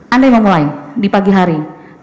anda mau mulai di pagi hari